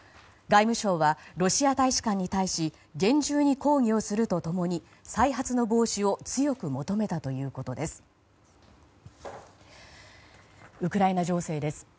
外務省はロシア大使館に対し厳重に抗議をすると共に再発の防止を強く求めたということです。